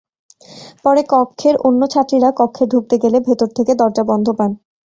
পরে কক্ষের অন্য ছাত্রীরা কক্ষে ঢুকতে গেলে ভেতর থেকে দরজা বন্ধ পান।